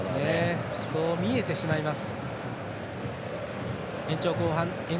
そう見えてしまいます。